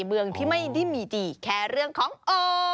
เมืองที่ไม่ได้มีดีแค่เรื่องของโอ